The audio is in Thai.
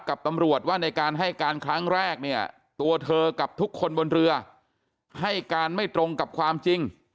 กับตำรวจว่าในการให้การครั้งแรกเนี่ยตัวเธอกับทุกคนบนเรือให้การไม่ตรงกับความจริง